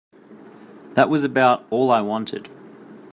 That was about all I wanted.